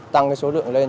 tăng số lượng lên